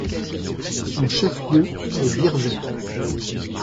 Son chef-lieu est Biržai.